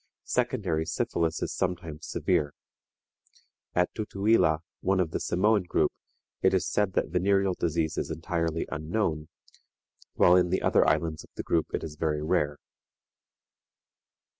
Secondary syphilis is sometimes severe. At Tutuila, one of the Samoan group, it is said that venereal disease is entirely unknown, while in the other islands of the group it is very rare.